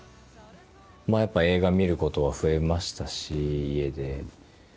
やっぱり映画見ることは増えましたし家で。